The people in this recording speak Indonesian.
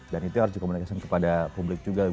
dan itu harus juga menekan kepada publik juga